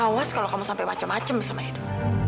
awas kalau kamu sampai macem macem sama edo